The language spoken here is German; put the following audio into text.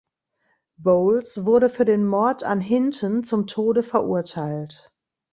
Bowles wurde für den Mord an Hinton zum Tode verurteilt.